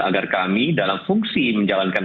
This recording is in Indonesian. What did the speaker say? agar kami dalam fungsi menjalankan